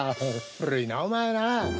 古いなお前な！